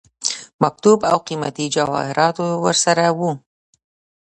مکتوب او قيمتي جواهراتو ورسره وه.